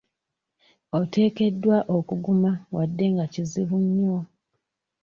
Oteekeddwa okuguma wadde nga kizibu nnyo.